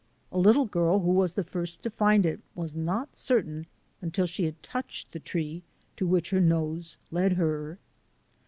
A little girl who was the first to find it was not certain until she had touched the tree to which her nose led her.